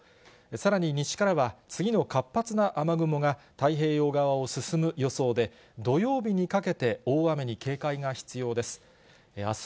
さらに、西からは次の活発な雨雲が、太平洋側を進む予想で、土曜日にかけて大雨に警戒が必要です。